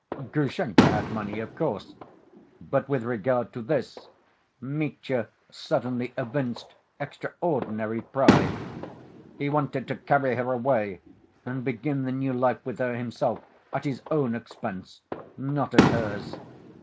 Grushenka had money, of course, but with regard to this Mitya suddenly evinced extraordinary pride; he wanted to carry her away and begin the new life with her himself, at his own expense, not at hers.